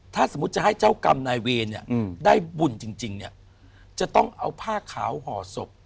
ถ้าสมมุติจะให้เจ้ากรรมนายเวรเนี่ยได้บุญจริงเนี่ยจะต้องเอาผ้าขาวห่อศพ